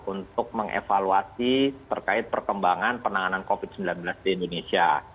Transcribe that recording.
untuk mengevaluasi terkait perkembangan penanganan covid sembilan belas di indonesia